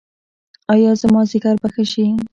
ایا زما ځیګر به ښه شي؟